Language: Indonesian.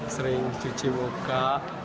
sering cuci muka